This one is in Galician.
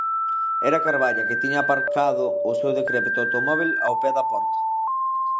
Era Carballa, que tiña aparcado o seu decrépito automóbil ó pé da porta.